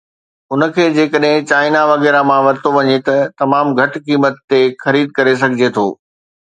ان کي جيڪڏهن چائنا وغيره مان ورتو وڃي ته تمام گهٽ قيمت تي خريد ڪري سگهجي ٿو